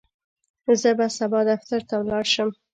زه به سبا دفتر ته ولاړ شم.